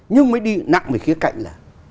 nhưng mới đi nặng về kia cạnh là